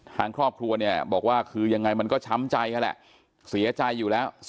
ทางครอบครัวเนี่ยบอกว่าคือยังไงมันก็ช้ำใจนั่นแหละเสียใจอยู่แล้ว